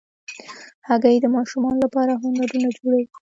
هګۍ د ماشومانو لپاره هنرونه جوړوي.